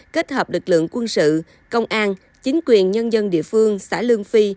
kết hợp lực lượng quân sự công an chính quyền nhân dân địa phương xã lương phi